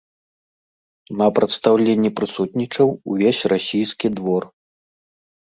На прадстаўленні прысутнічаў увесь расійскі двор.